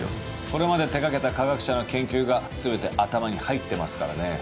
これまで手掛けた科学者の研究が全て頭に入っていますからね。